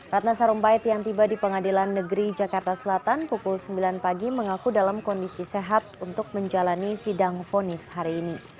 ratna sarumpait yang tiba di pengadilan negeri jakarta selatan pukul sembilan pagi mengaku dalam kondisi sehat untuk menjalani sidang fonis hari ini